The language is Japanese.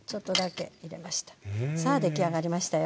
さあ出来上がりましたよ。